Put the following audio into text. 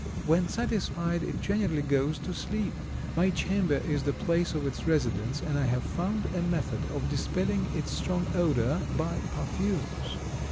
When satisfied it generally goes to sleep. My chamber is the place of its residence and I have found a method of dispelling its strong odor by perfumes.